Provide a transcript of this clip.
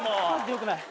よくない。